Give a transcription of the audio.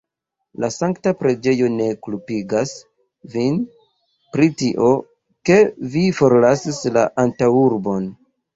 La sankta preĝejo ne kulpigas vin pri tio, ke vi forlasis la antaŭurbon.